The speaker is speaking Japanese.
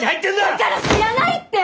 だから知らないって！